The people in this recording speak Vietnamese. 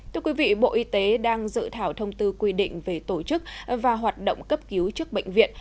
thưa quý vị bộ y tế đang dự thảo thông tư quy định về tổ chức và hoạt động cấp cứu chức bệnh viện